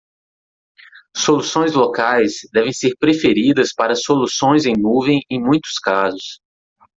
Soluções locais devem ser preferidas para soluções em nuvem em muitos casos.